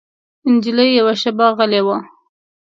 نجلۍ یوه شېبه غلی وه.